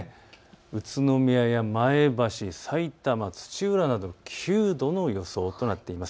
宇都宮や前橋、さいたま、土浦など９度の予想となっています。